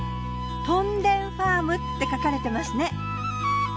「トンデン・ファーム」って書かれてますね。